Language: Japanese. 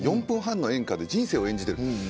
４分半の演歌で人生を演じている。